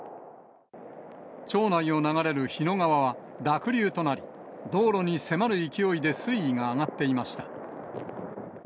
町内を流れる日野川は濁流となり、道路に迫る勢いで水位が上がっていました。